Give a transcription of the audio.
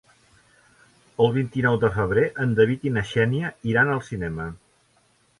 El vint-i-nou de febrer en David i na Xènia iran al cinema.